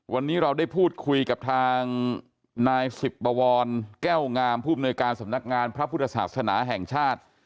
วันนี้เราได้พูดคุยกับทางนายสิบบวรแก้วงามผู้มนวยการสำนักงานพระพุทธศาสนาแห่งชาติ